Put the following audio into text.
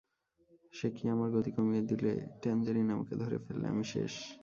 সে আমার গতি কমিয়ে দিলে, ট্যাঞ্জেরিন আমাকে ধরে ফেললে, আমি শেষ।